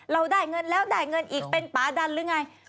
เราได้เงินแล้วได้เงินอีกเป็นป่าดันหรือไง